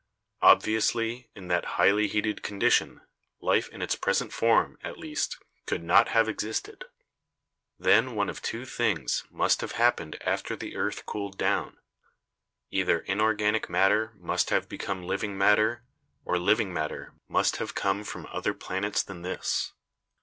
Obviously in that highly heated con dition life in its present form, at least, could not have ex isted. Then one of two things must have happened after the earth cooled down — either inorganic matter must have become living matter or living matter must have come from other planets than this.